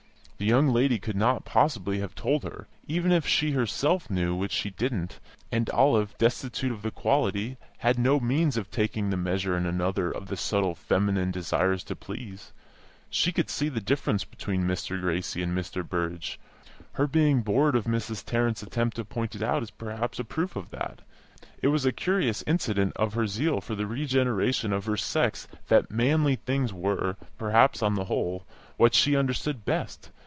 This young lady could not possibly have told her (even if she herself knew, which she didn't), and Olive, destitute of the quality, had no means of taking the measure in another of the subtle feminine desire to please. She could see the difference between Mr. Gracie and Mr. Burrage; her being bored by Mrs. Tarrant's attempting to point it out is perhaps a proof of that. It was a curious incident of her zeal for the regeneration of her sex that manly things were, perhaps on the whole, what she understood best.